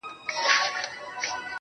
اوس يې صرف غزل لولم، زما لونگ مړ دی.